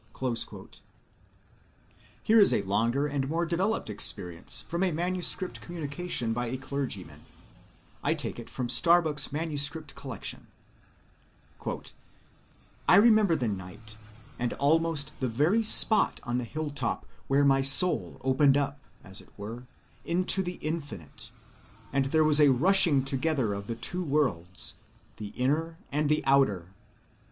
(28) Here is a longer and more developed experience from a manuscript communication by a clergyman,—I take it from Starbuck's manuscript collection:— "I remember the night, and almost the very spot on the hilltop, where my soul opened out, as it were, into the Infinite, and there was a rushing together of the two worlds, the inner and the outer.